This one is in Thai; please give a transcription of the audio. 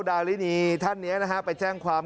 ดารินีท่านนี้นะฮะไปแจ้งความ